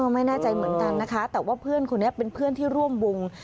ไม่แน่ใจเหมือนกันนะคะแต่ว่าเพื่อนคนนี้เป็นเพื่อนที่ร่วมวง